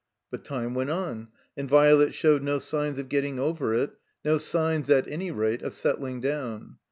But time went on, and Violet showed no signs of getting over it, no signs, at any rate, of settling down.